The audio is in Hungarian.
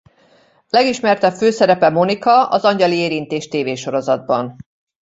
Legismertebb főszerepe Monica az Angyali érintés tévésorozatban.